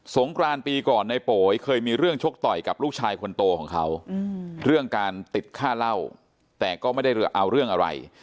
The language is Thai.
งกรานปีก่อนในโป๋ยเคยมีเรื่องชกต่อยกับลูกชายคนโตของเขาเรื่องการติดค่าเหล้าแต่ก็ไม่ได้เอาเรื่องอะไร